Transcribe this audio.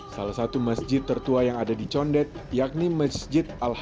salah satu masjid tertua yang ada di condet yakni masjid al haq